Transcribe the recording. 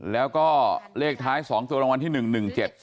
แล้วก็เลขท้ายสองตัวรางวัลที่หนึ่งหนึ่งเจ็ด